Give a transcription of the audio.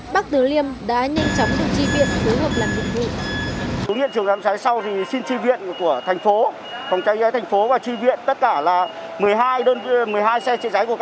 bắc từ liêm đã nhanh chóng được